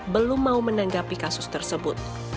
belum mau menanggapi kasus tersebut